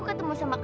kaka hebat jack